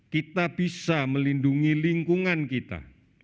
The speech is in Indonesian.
kita bisa melindungi lingkungan kita